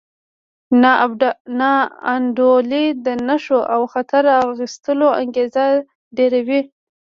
ناانډولي د نوښت او خطر اخیستلو انګېزه ډېروي.